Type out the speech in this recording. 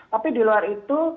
tapi di luar itu